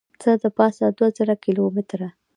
څه دپاسه دوه زره کیلو متره